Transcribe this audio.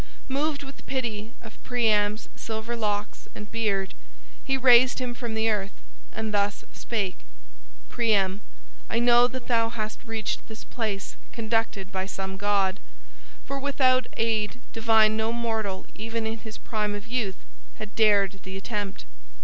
Moved with pity of Priam's silver locks and beard, he raised him from the earth, and thus spake: "Priam, I know that thou hast reached this place conducted by some god, for without aid divine no mortal even in his prime of youth had dared the attempt.